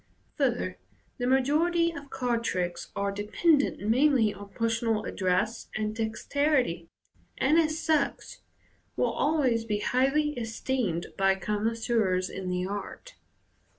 Further, the majority of card tricks are dependent mainly on personal address and dexterity, and, as such, will always be highly esteemed by connoisseurs in the art.